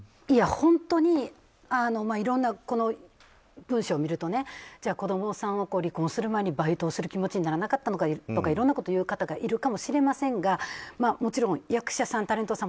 本当にいろんな文章を見るとじゃあ離婚する前にバイトする気にならなかったのかとかいろんなことを言う方がいるかもしれませんがもちろん役者さん、タレントさん